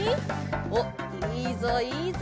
おっいいぞいいぞ